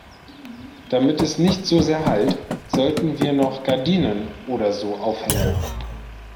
Damit es nicht so sehr hallt, sollten wir noch Gardinen oder so aufhängen.